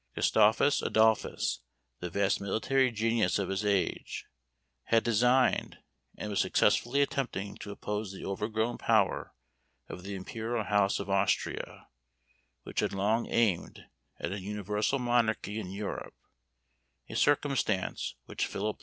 Gustavus Adolphus, the vast military genius of his age, had designed, and was successfully attempting, to oppose the overgrown power of the imperial house of Austria, which had long aimed at an universal monarchy in Europe; a circumstance which Philip IV.